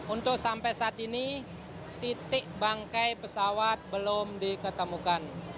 untuk sampai saat ini titik bangkai pesawat belum diketemukan